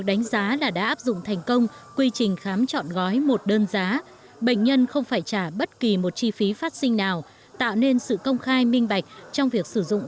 cũng cho những bệnh nhân của thủ đô hà nội